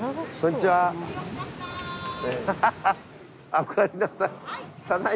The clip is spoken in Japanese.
おかえりなさい。